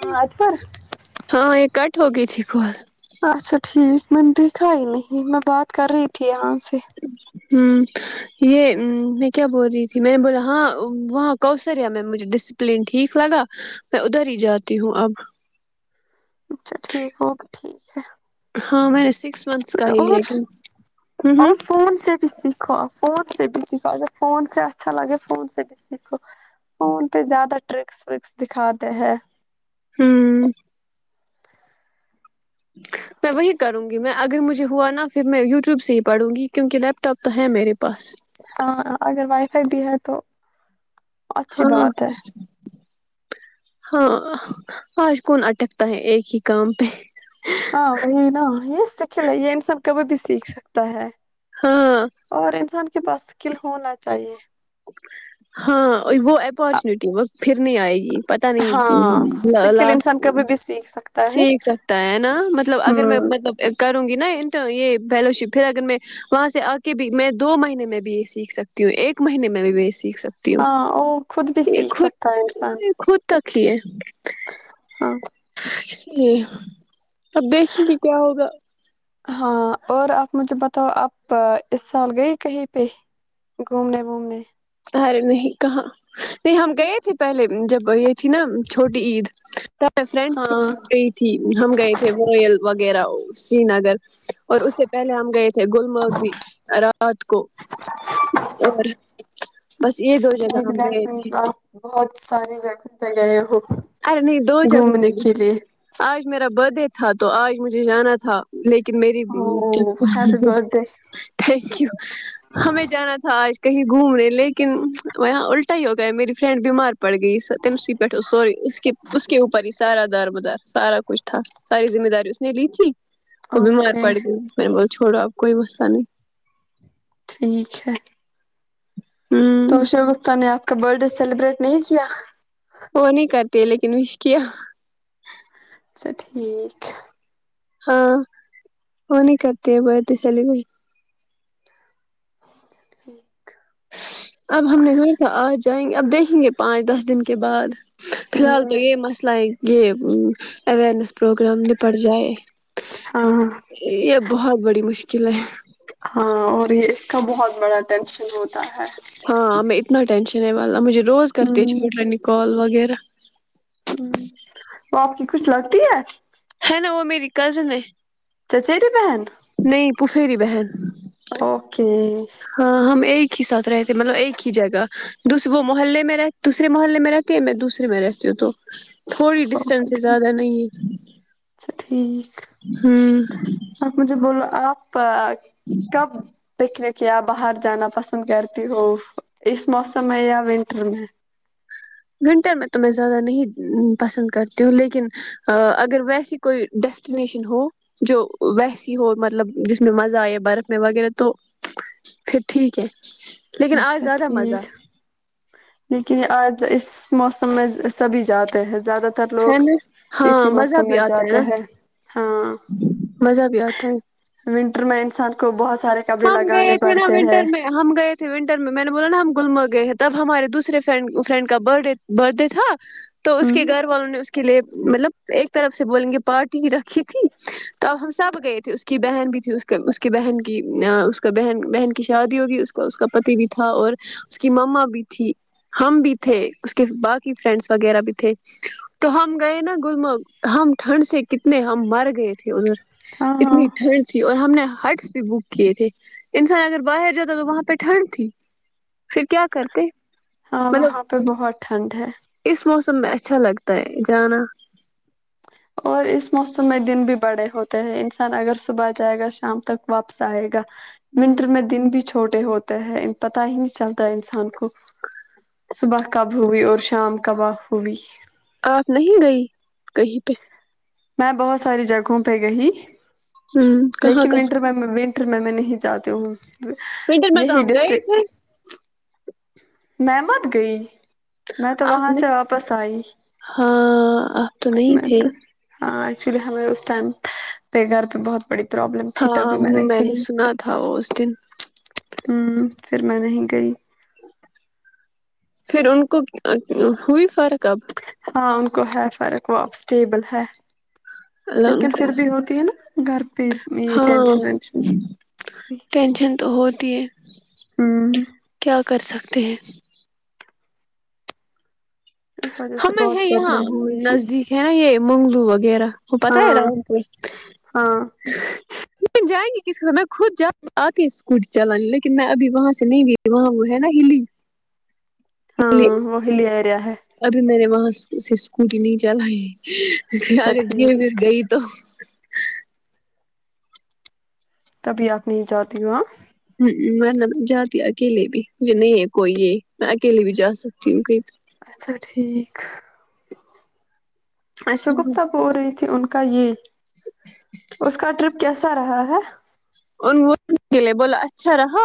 ہاں اج پر ہاں یہ کٹ ہو گئی تھی کول اچھا ٹھیک میں نے دیکھا ہی نہیں میں بات کر رہی تھی یہاں سے ہ یہ میں کیا بول رہی تھی میں نے بولا ہاں وہاں کوسریا میںم مجھے ڈسپلین ٹھیک لگا میں ادھر ہی جاتی ہوں اب اچھا ٹھیک ہوگ ٹھیک ہے ہاں میں نے سکس منتھس کا ہی لیا اور کیوں ہوں ہوں اور فون سے بھی سیکھو فون سے بھی سیکھو اگر فون سے اچھا لگے فون سے بھی سیکھو فون پہ زیادہ ٹرکس وکس دکھاتے ہیں ہوں [unintelligible] میں وہی کروں گی میں اگر مجھے ہوا نا پھر میں یوٹیوب سے ہی پڑھوں گی کیونکہ لیپ ٹاپ تو ہے میرے پاس ہاں اگر وائی [unintelligible] ا بھی ہے تو [unintelligible] ہاں بات ہے ہاں [unintelligible] آج کون اٹکتا ہے ایک ہی کام پہ ہاں وہی نا یہ سکل ہے یہ انسان کبھی بھی سیکھ سکتا ہے ہاں [unintelligible] اور انسان کے پاس اسکل ہونا چاہیے ہاں وہ اپورچونیٹی پھر نہیں آئے گی پتا ہاں نہیں اسکل انسان لاسٹ کبھی بھی سیکھ سکتا ہے سیکھ سکتا ہے نا مطلب اگر میں ہوں مطلب کروں گی نا یہ فلو شپ پھر اگر میں وہاں سے آ کے بھی میں دو مہینے میں بھی یہ سیکھ سکتی ہوں ایک [unintelligible] ایک مہی میں بھی بی [unintelligible] سیکھ سکتی ہوں ہاں اور خود بھی یہ سیکھ خود سکتا ہے انسان خود تک ہی ہے ہاں [unintelligible] ج اب دیکھیں گے کیا ہوگا [unintelligible] ہاں اور آپ مجھے بتاؤ آپ اس سال گئی کہیں پہ گھومنے وومنے ارے نہیں کہاں نہیں ہم گئے تھے پہلے جب یہ تھی نا چھوٹی عید [unintelligible] میں فرینڈس کے ہاں ساتھ گئی تھی ہم گئے تھے رویل وغیرہ سری نگر [unintelligible] اور اس سے پہلے ہم گئے تھے گلمرگ بھی رات کو اور بس یہ دو جگہ لائک ہم دیٹ گئے تھے مینس آپ [unintelligible] بہت ساری جگ پ گئے ہو [unintelligible] ارے نہیں دو جگہ گھومنے پئی کے لیے آج میرا بد تھا تو آج مجھے جانا تھا لیکن [unintelligible] کہ میری او happy birthday thank you ہمیں جانا تھا آج [unintelligible] کہیں گھوم رہے لیکن وہاں الٹا ہی ہو گیا میری فرینڈ بیمار [unintelligible] پڑ گئی س تم س پ سوری [unintelligible] اس کے اس کے اوپر ہی سارا دار بدار سارا کچھ تھا ساری ذمہ داری اس نے لی تھی وہ بھی مار اوکے پڑ گئی میں بس چھوڑو اب کوئی وسہ نہیں ٹھیک ہے [unintelligible] تو ہوں ش بکت نے آ کا برتھ ڈے سیلیبریٹ نہیں کیا [unintelligible] وہ نہیں کرتی ہے لیکن مش کیا اچھا ٹھیک [unintelligible] ہاں وہ نہیں کرتی ہے برتھ ڈے سیلیبریٹ چ [inaudible] اب ہم نے زور سے آ جائیں گے اب دیکھیں گے پانچ دس دن کے بعد فی الحال تو ہمم یہ مسلہ یہ اوئیرنیس پروگرام بھیپڑ جائے ہاںاں یہ بہت بڑی مشکل ہے ہاں اور بہت بڑا ٹشن ہوتا ہے ہاں ہمیں اتنا ٹینشن وال مجھے روز کرتے چھوٹ رہے نے کال و اغیرہ [unintelligible] ہ اور ک [unintelligible] کچھ لگتی ہے ہے نا وہ میری کزن ہے چچیری بہن نہیں پفری بہن اوکے ہاں ہم ایک ہی ساتھ رہتے مطلب ایک ہی جگہ وہ محلے میں رہ دوسرے محلے میں رہتی ہے میں دوسرے میں رہتی ہوں تو تھوڑی اوکے ڈسٹینس ٹھیک زیادہ نہیں ہے اچھا ٹھیک ہوں آپپ [unintelligible] کب پکنک یا باہر جانا پسند کرتی ہووں اس موسم میں یا ونٹر میں ونٹر میں تو میں زیادہ نہیں پسند کرتی ہوں لیکن اگر ویسی کوئی ڈیسٹینیشن ہو جو ویسی ہو مطلب جس میں مزہ آئے برف میں وغیرہ تو پھر ٹھیک ہے لیکن آج اچھا زیادہ مزہ ٹھیک لیکن یہ آج اس موسم میں سبھی جاتے ہیں زیادہ ت تر لوگ ہے نا اسی ہاں مزہ موسم بھی میں آتا ہے جاتے نا ہیں ہاں مزہ بھی آتا ہے ونٹر میں انسان کو بہت سارے کپڑے ہم لگانے گئے تھے نا پڑتے ہیں ونٹر میں ہم گئے تھے ونٹر میں نے بولا نا ہم گلمر گئے ہیں تب ہمارے دوسرے فرینڈ کا برت ڈے تھا تو اس ہوں کے گھر والوں نے اس کے کے لیے مطلب ایک طرف سے بولیں گے پارٹی ہی رکھی تھی تو اب ہم سب گئے تھے اس کی بہن بھی تھی اس کی بہن کی اس کا بہن بہن کی شادی ہوگی اس کا اس کا پتی بھی تھا اور اس کی مما بھی تھی ہم بھی تھے اس کے باقی فرینڈس وغیرہ بھی تھے تو ہم گئے نا گلمر ہم ٹھنڈ سے کتنے ہم مر گئے تھے ادھر ہاں ات ہاں مٹر [unintelligible] اور ہم نے ہرٹس بھی بک کیے تھے انسان اگر باہر جاتا تو وہاں پہ ٹھنڈ تھی پھر کیا کرتے ہاں مطلب وہاں پہ بہت ٹھنڈ ہے اس موسم اچھا لگتا ہے جانا اور اس موسم میں دن بھی بڑے ہوتے ہیں انسان اگر صبح جائے گا شام تک واپس آئے گا ونٹر ہوں، میں دن بھی چھوٹے ہوتے ہیں پت ہی نہیں چلتا انسان کو صبح کب ہوئی اور شام کب ہوئی آپ نہیں گئی کہیں پہ میں بہت ساری جگہوں پہ گئی ہوں کہاں کہاں ھر میں میں نہیں جاتی ہوں کوئنٹل میں یہی دم گی ڈسٹرک تھ میں مت گئی میں تو آپ وہاں نہیں سے واپس آئی ہاں آپ تو نہیں تھے ہ ایکچولی ہمیں اس ٹائم پے گھر پہ بہت بڑی پرابلم تھی ہاں تبھی میں نے کہی سنا تھا اس دن ہوں پھر میں نہیں گئی پھر ان کو ہوئی فرق اب ہاں ان کو ہے فرق وہ اب اسٹیبل ہے اللہ لیکن کو پھر بھی ہوتی ہے نا گھر پہ یہ ہاں ٹینشن وینشن ٹینشن تو ہوتی ہے ہوں کیا کر سکتے ہیں اس وجہ سے ہمیں ہے بہت یہاں پرابلم ہو گئی تھی نزدیک ہے نا یہ مگلو وغیرہ وہ پتا ہاں ہےیرا کو ہاں نہیں جائیں گی کس کے میں خود جا آتی اسکوٹی چلانانی لیکن میں ابھی وہاں سے نہیں گ وہاں وہ ہے نا ہلی ہاں وہ ہی لےیریا ہے ابھی م نے وہاں سے اسکوٹی نہیں چلائی آ اچھا کر پھر ٹھیک گئی تو تبھی آپ نہیں جاتتی ہ آاں ہ من جاتی اکیلے بھی مجھے نہیں ہے کوئی یہ میں اکیلے بھی جا سکتی ہوں کہ ہاں ایشو کہیں گپتا ب ہو رہی تھی ان کو گئیے اس کا ٹرپ کیسا رہا ہے ان وہلے بولا اچھا رہا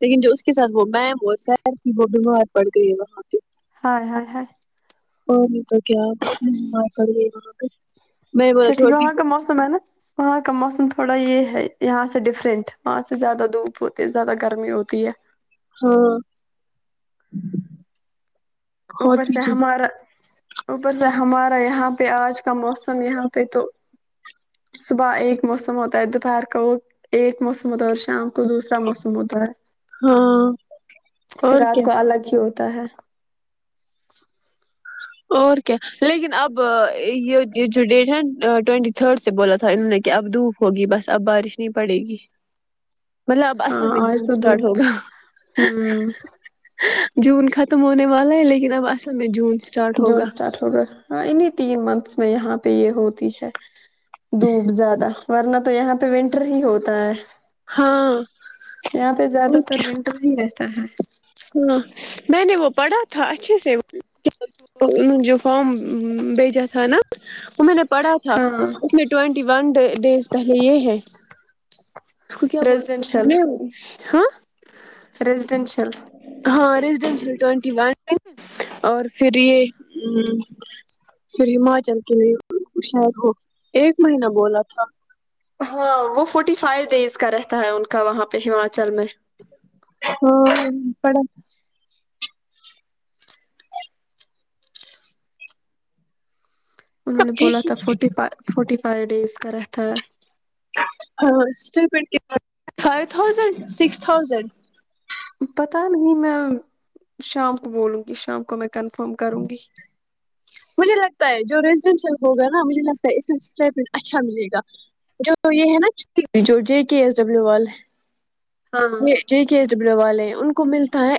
لیکن جو اس کے ساتھ وہ میم اور سیر تھی وہ بیمار پڑ گئی وہاں پہ ہ ہ ہاں کیا وہ اتنے بیمار پڑ گئے آ اچھا ٹھیک ہے وہاں کا موسم ہے نا وہاں کا موسم تھوڑا یہ ہے یہاں سے ڈفرنٹ وہاں سے زیادہ دھوپ ہوتی ہے زیادہ گرمی ہوتی ہے ہاں اوپر ہوتی سے جو ہمارا اوپر سے ہمارا یہاں پہ آج کا موسم یہاں پہ تو صبح ایک موسم ہوتا ہے دوپہر کا وہ ایک موسم ہوتا ہے اور شام کو دوسرا موسم ہوتا ہے ہاں پھر اور رات کیا کو الگ ہی ہوتا تا ہے اور کیا لیکن اب یہ جو ڈیٹ ہے نا ٹوینٹی تھرڈ سے بولا تھا انہوں نے کہ اب دھوپ ہوگی بس اب بارش نہیں پڑے گی مطلب اب ہاں اصل میں آج جووم تو اسٹارٹ دھوپ ہوگا ہوں جون ختم ہونے والا ہے لیکن اب اصل میں جو جون اسٹارٹ ہوگا ہاں انہیں تین منتھس میں یہاں پہ یہ ہوتی ہے دھوپ زیادہ ورنہ تو یہاں پہ ونٹر ہی ہوتا ہے ہاں یہاں پہ زیادہ اور تر کیا ونٹر ہی ہے تا ہے ہاں میں نے وہ پڑھا تھا اچھے سے انہوں جو فم بھیجا تھا نا وہ میں نے پڑھا تھا ہاں اس میں ٹین ٹی ون ڈ ڈیز پہلے یہ ہے اس کو کیا بول ہاں ریسیڈنشل ہاں ٹ و میں اور پھر یہ پھر ہماچل کے شہر کو ایک مہینہ بولا تھا ہاں وہ فورٹی فائیو ڈیز کا رہتا ہے ان کا وہاں پہ ہماچل میں ہ پڑت انہوں نے بولا تھا فورٹی ف فورٹی فائیو ڈیز کا رہ تھا ہاں فائیو تھازینڈ سکس تھاؤزینڈ پت نہیں میں شام کو بولوں گی شام کو میں کنفرم کروں گی مجھے لگتا ہے جو ریزڈینشیل ہوگا نا مجھے لگتا ہے اس میںن اچھا ملے گا جو یہ ہے نا جو جے کے ایس ڈبلو ہاں والے جی ایس ڈبلیو والے ان کو ملتا ہے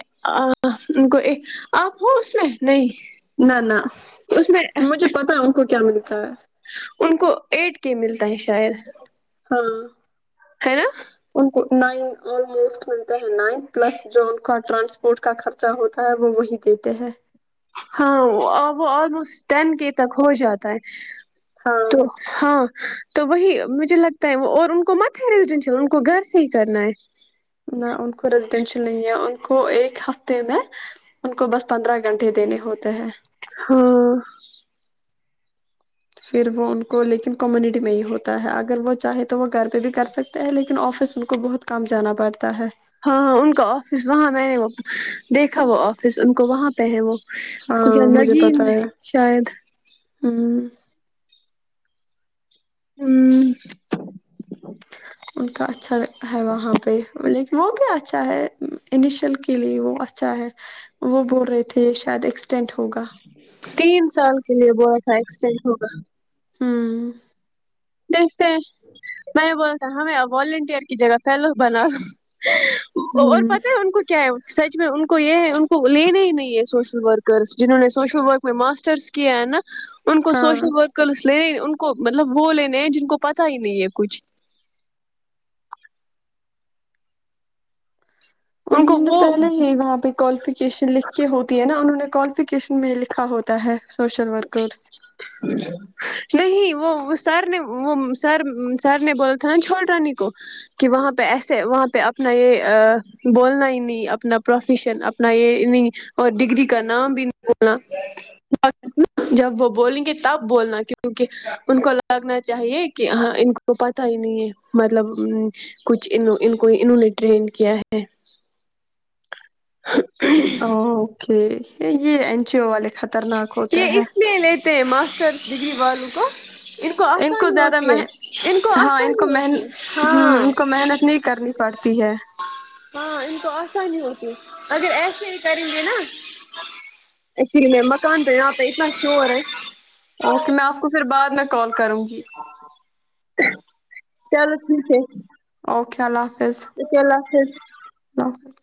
ان کو آپ ہو اس میں نہیں نہ نہ اس میں مجھے پتا ان کو کیا کررمتا ہے ان کو ایٹ کے ملتا ہے شاید ہاں ہے نا ان کو نائن آلموسٹ ملتا ہے نائن پلس ج کارڈ [unintelligible] ٹرانسپورٹ کا خرچہ ہوتا ہے وہ وہی دیتے ہیں ہاں وہ آلموسٹ ٹین کے تک ہو جاتا ہے ہاں تو ہاں تو وہی مجھے لگتا ہے وہ اور ان کو مت ہے ریزیڈینشیل ان کو گھر سے ہی کرنا ہے نہ ان کو ریزیڈینشیل نہیں ہے ان کو ایک ہفتے میں ان کو بس پندرہ گھنٹے دینے ہوتے ہیں ہاں پھر وہ ان کو لیکن کمیونٹی میں ہی ہوتا ہے اگر وہ چاہے تو وہ گھر پہ بھی کر سکتے ہیں لیکن آفس ان کو بہت کام جانا پڑتا ہے ہاں ہاں ان کا آفس وہاں میں نے وہ دیکھا وہ آفس ان کو وہاں پہ ہے وہ کوئی ہاں کہا مجھے کی پتا ہے شاید ہ ھمم ان کا اچھا ہے وہاں پہ لیکن وہ بھی اچھا ہے انیشیل کے لیے وہ اچھا ہے وہ بول رہے تھے شاید ایک ایکسٹینٹ ہوگا تین سال کے لیے با سا ایکسٹین ہوگا ہاں دیکھتے ہیں میں یہ بولتا ہمیں ونٹیئر کی جگہ فلو بنا اور ہوں پت ہے ان کو کیا ہے سچ میں ان کو یہ ہے ان کو لینا ہی نہیں سوشل ورکرس جنہوں نے سوشل ورک میں ماسٹرس کیا ہے نا ان کو ہاں سوشل ورکر اس لے ان کو مطلب وہ لینے نہیں جن کو پتا ہی نہیں ہے کچھ کو ان وہ پہلے ہی وہاں پہ کوالیفکیشن لکھھی ہوتی ہے نا انہوں نے کوالفیکیشن میں لکھا ہوتا ہے سوشل ورکرس نہیں وہ سر نے وہ سر سر نے بولا تھا نا چھوڑ رانی کو کہ وہاں پہ ایسے وہاں پہ اپنا یہ بولنا ہی نہیں اپنا پروفیشن اپنا یہ نہیں اور ڈگری کا نام بھی نہیں بولنا جب وہ بولیں گے تب بولنا کیونکہ ان کو لگنا چاہیے کہ ہاں ان کو پتا ہی نہیں ہے مطلب کچھ ان کو انہوں نے ٹریڈ کیا ہے ا اوکے یہ اینچی او والے خطرناک ہوتے یہ ہیں اس لیے لیتے ہیں ماں ماسٹرس ڈگری والوں کو ان کو آسانی زیادہ ہوتی م ہے ان کو ہاں ان کو آسانی من ہوتی ہے ہ ہاں ان کو محنت نہیں کرنی پڑتی ہے ہاں انم کو آسانی ہوتی اگر ایسے ہی کریں گ نا الی میں مکان تواں پہ اتنا شور ہے اوکے میں آپ کو پھر بعد میں کال کروں گی چلو ٹھیک ہے اوکے اللہ حافظ اک اللہ حافظ اللہ حافظ